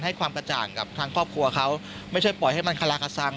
ให้ความกระจ่างกับทางครอบครัวเขาไม่ใช่ปล่อยให้มันคลาคสัง